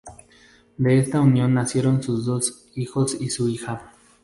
De esta unión nacieron sus dos hijos y su hija.